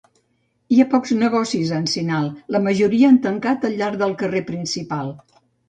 Hi ha pocs negocis a Encinal; la majoria han tancat al llarg del carrer principal.